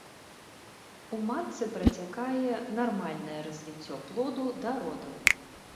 У матцы працякае нармальнае развіццё плоду да родаў.